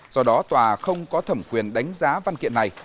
do đó tòa không có thẩm quyền đánh giá văn kiện này